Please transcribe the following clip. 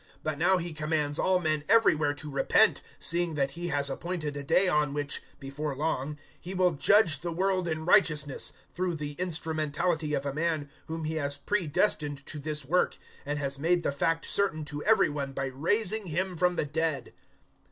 But now He commands all men everywhere to repent, 017:031 seeing that He has appointed a day on which, before long, He will judge the world in righteousness, through the instrumentality of a man whom He has pre destined to this work, and has made the fact certain to every one by raising Him from the dead."